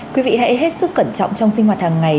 quý vị hãy hết sức cẩn trọng trong sinh hoạt hàng ngày